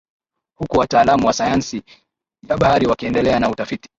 Huku wataalamu wa sayansi ya bahari wakiendelea na utafiti